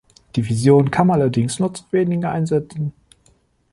Division, kam allerdings nur zu wenigen Einsätzen.